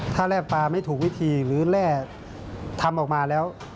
ถ้าแร่ปลาไม่ถูกวิธีหรือแร่ทำออกมาแล้ว